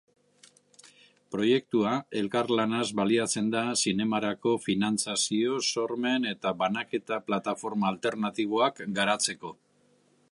Proiektua elkarlanaz baliatzen da zinemarako finantzazio, sormen eta banaketa plataforma alternatiboak garatzeko.